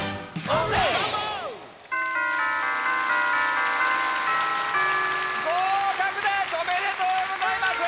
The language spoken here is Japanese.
おめでとうございます。